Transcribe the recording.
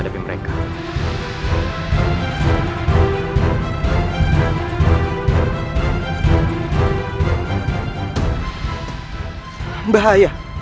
dari kitab ini